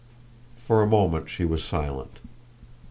For a moment she was silent.